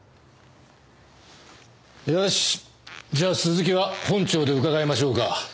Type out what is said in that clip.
よしじゃあ続きは本庁で伺いましょうか。